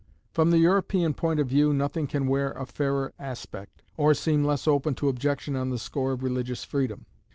From the European point of view nothing can wear a fairer aspect, or seem less open to objection on the score of religious freedom.